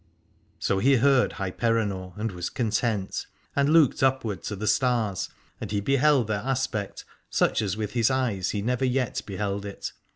So he heard Hyperenor and was content, and looked upward ^ to the stars: and he beheld their aspect such as with his eyes he never yet beheld it.